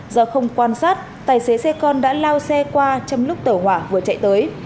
do không quan sát tài xế xe con đã lao xe qua trong lúc tẩu hỏa vừa chạy tới